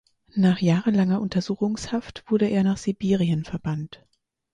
Nach jahrelanger Untersuchungshaft wurde er nach Sibirien verbannt.